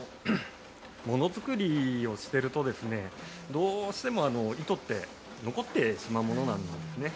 ものづくりをしてると、どうしても糸って残ってしまうものなんですね。